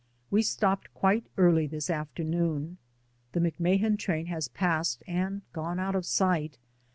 We stopped quite early this afternoon; the McMahan train has passed and gone out of sight.